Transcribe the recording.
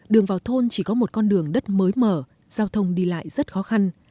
đường vào thôn chỉ có một con đường đất mới mở giao thông đi lại rất khó khăn